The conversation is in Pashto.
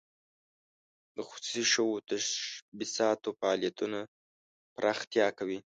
د خصوصي شوو تشبثاتو فعالیتونه پراختیا کوي.